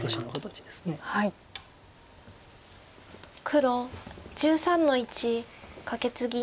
黒１３の一カケツギ。